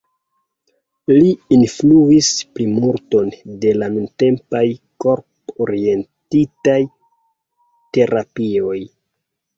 Li influis plimulton de la nuntempaj korp-orientitaj terapioj.